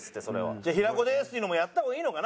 じゃあ「ヒラコです」っていうのもやった方がいいのかな？